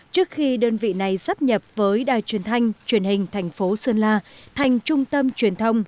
trước khi đơn vị này sắp nhập với đài truyền thanh truyền hình thành phố sơn la thành trung tâm truyền thông